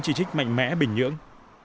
chỉ trích mạnh mẽ bình nhưỡng